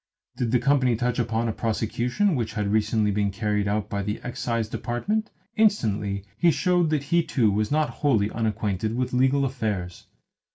Did the company touch upon a prosecution which had recently been carried out by the Excise Department, instantly he showed that he too was not wholly unacquainted with legal affairs.